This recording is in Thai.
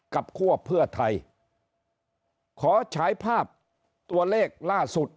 เขาจะไฟฟาบตัวเลขล่าสุด